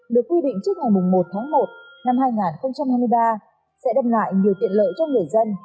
được quy định trước ngày một tháng một năm hai nghìn hai mươi ba sẽ đem lại nhiều tiện lợi cho người dân